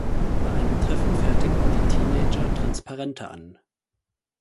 Bei einem Treffen fertigen die Teenager Transparente an.